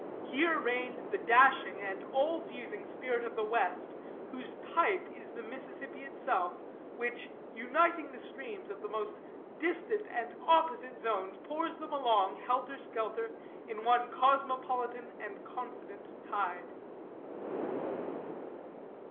Here reigned the dashing and all fusing spirit of the West, whose type is the Mississippi itself, which, uniting the streams of the most distant and opposite zones, pours them along, helter skelter, in one cosmopolitan and confident tide.